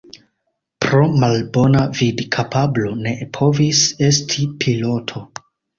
Pro malbona vidkapablo ne povis esti piloto.